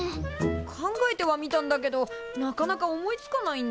考えてはみたんだけどなかなか思いつかないんだ。